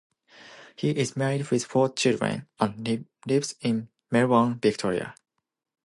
He is married with four children, and lives in Melbourne, Victoria.